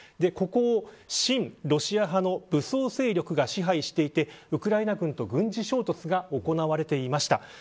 ここを親ロシア派の武装勢力が支配していてウクライナ軍との軍事衝突が行われていました。